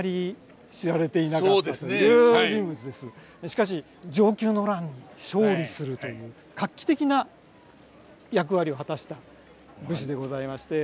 しかし承久の乱で勝利するという画期的な役割を果たした武士でございまして。